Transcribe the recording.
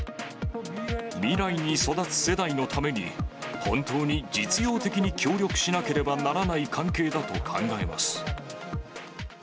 未来に育つ世代のために、本当に実用的に協力しなければならない関係だと考えます。